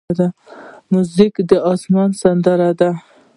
موزیک د آسمان سندره ده.